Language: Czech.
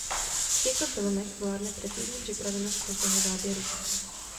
V těchto filmech vládne precizní připravenost každého záběru.